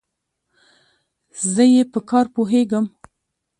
زه ئې په کار پوهېږم.